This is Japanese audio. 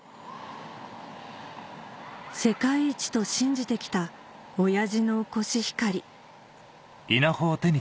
世界一と信じて来た親父のコシヒカリ